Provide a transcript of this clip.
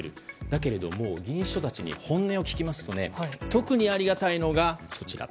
だけれども、本音を聞きますと特にありがたいのが、そちら。